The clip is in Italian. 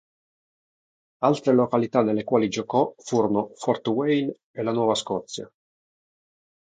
Altre località nelle quali giocò furono Fort Wayne e la Nuova Scozia.